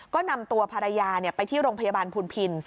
ก็นำตัวภรรยาไปที่โรงพยาบาลพุนพิน